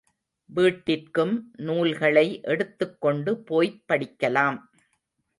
வீட்டிற்கும் நூல்களை எடுத்துக்கொண்டு போய்ப் படிக்கலாம்.